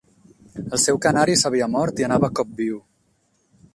El seu canari s'havia mort i anava cop-piu.